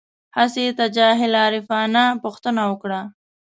هسې یې تجاهل العارفانه پوښتنه وکړه.